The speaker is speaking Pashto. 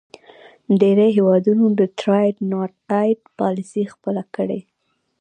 ډیری هیوادونو د Trade not aid پالیسي خپله کړې.